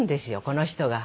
この人が。